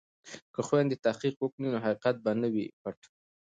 که خویندې تحقیق وکړي نو حقیقت به نه وي پټ.